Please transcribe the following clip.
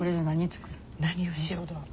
何をしよう？